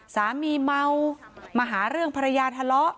สามีเมามาหาเรื่องภรรยาทะเลาะ